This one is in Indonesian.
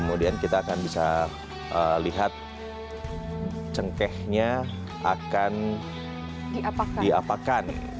kemudian kita akan bisa lihat cengkehnya akan diapakan